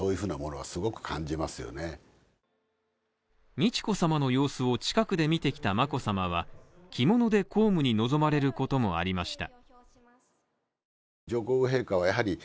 美智子さまの様子を近くで見てきた眞子さまは着物で公務に臨まれることもありました。